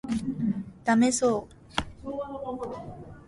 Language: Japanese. ダメそう